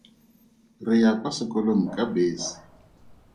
Re ya kwa sekolong ka bese.